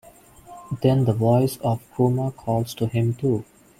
Then the voice of Groma calls to him too.